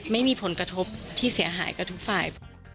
ไม่มีผลกระทบที่เสียหายกับทุกฝ่าย